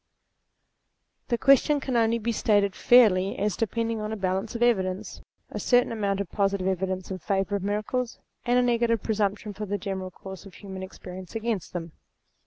The question can only be stated fairly as depending on a balance of evidence : a certain amount of positive evidence in favour of miracles, and a negative presumption from the general course of human experience against them.